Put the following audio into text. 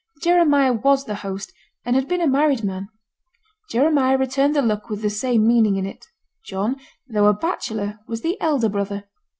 Jeremiah was the host, and had been a married man. Jeremiah returned the look with the same meaning in it. John, though a bachelor, was the elder brother.